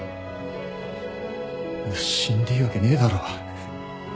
死んでいいわけねえだろ。